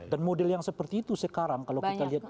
dan model yang seperti itu sekarang kalau kita lihat